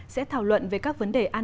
sẽ thảo luận về các vấn đề